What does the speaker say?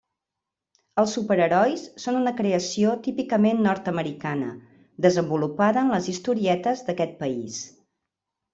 Els superherois són una creació típicament nord-americana, desenvolupada en les historietes d'aquest país.